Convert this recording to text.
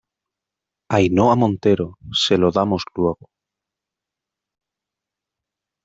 Ainhoa Montero. se lo damos luego .